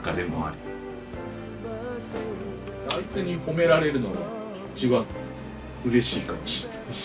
あいつに褒められるのが一番うれしいかもしれないし。